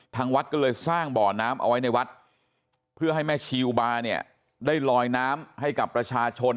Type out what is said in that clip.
ทางวัดก็เลยสร้างบ่อน้ำเอาไว้ในวัดเพื่อให้แม่ชีอุบาเนี่ยได้ลอยน้ำให้กับประชาชน